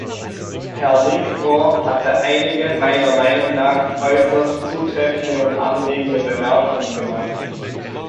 Herr Linkohr hat da einige meiner Meinung nach äußerst zutreffende und anregende Bemerkungen gemacht.